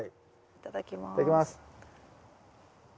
いただきます。